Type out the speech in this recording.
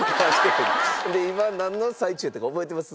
で今なんの最中とか覚えてます？